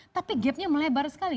tapi gapnya melebar sekali